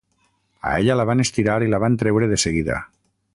A ella la van estirar i la van treure de seguida.